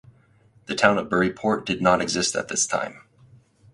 The town of Burry Port did not exist at this time.